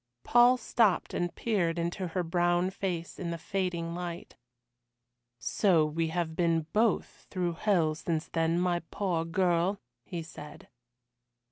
Paul stopped and peered into her brown face in the fading light. "So we have been both through hell since then, my poor girl?" he said.